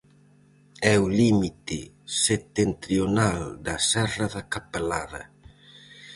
É o límite setentrional da serra da Capelada.